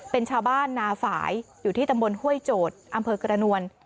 เป็นชาวบ้านนาฝ่ายอยู่ที่ตำบลห้วยโจทย์อำเภอกระนวล